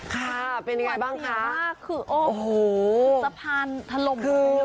ค่ะเป็นยังไงบ้างค่ะคือโอ้โหสะพานทะลมเลยอ่ะคือ